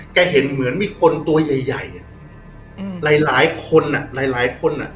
เห็นเหมือนมีคนตัวใหญ่ใหญ่หลายหลายคนอ่ะหลายหลายคนอ่ะ